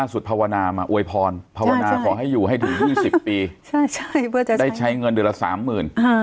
หลังสุดภาวนาอวยพลภาวนาขอให้อยู่ให้ถึง๒๐ปีได้ใช้เงินเดือนละ๓หมื่น